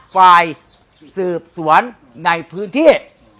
ฝ่ายสืบสวนในพื้นที่